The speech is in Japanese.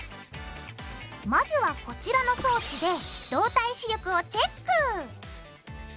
まずはこちらの装置で動体視力をチェック